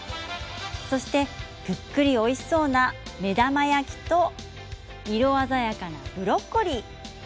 そして、ぷっくりおいしそうな目玉焼きと色鮮やかなブロッコリー。